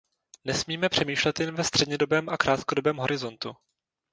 Nesmíme přemýšlet jen ve střednědobém a krátkodobém horizontu.